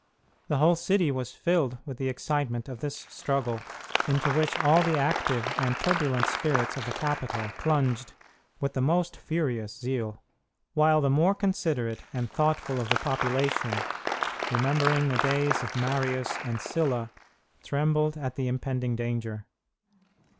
The whole city was filled with the excitement of this struggle, into which all the active and turbulent spirits of the capital plunged with the most furious zeal, while the more considerate and thoughtful of the population, remembering the days of Marius and Sylla, trembled at the impending danger.